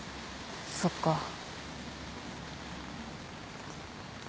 そっか。